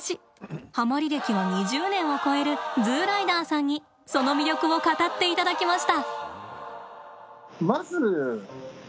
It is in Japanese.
はまり歴は２０年を超えるＺＯＯライダーさんにその魅力を語っていただきました。